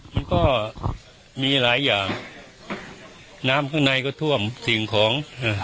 มันก็มีหลายอย่างน้ำข้างในก็ท่วมสิ่งของ